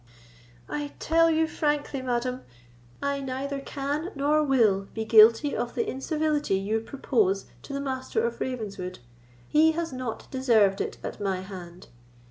"I tell you frankly, madam, I neither can nor will be guilty of the incivility you propose to the Master of Ravenswood; he has not deserved it at my hand.